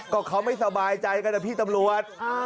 ก็เขาไม่สบายใจกันนะพี่ตำรวจ